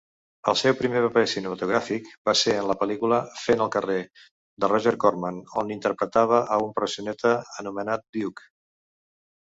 El seu primer paper cinematogràfic va ser en la pel·lícula "Fent el carrer" de Roger Corman on interpretava a un proxeneta anomenat Duke.